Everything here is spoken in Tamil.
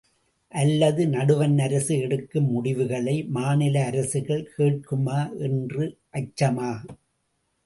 அல்லது நடுவண் அரசு எடுக்கும் முடிவுகளை மாநில அரசுகள் கேட்குமா என்ற அச்சமா?